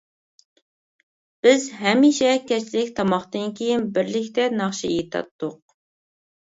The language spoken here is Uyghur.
بىز ھەمىشە كەچلىك تاماقتىن كېيىن بىرلىكتە ناخشا ئېيتاتتۇق.